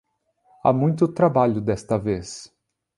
Há muito trabalho desta vez.